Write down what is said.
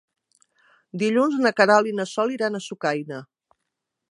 Dilluns na Queralt i na Sol iran a Sucaina.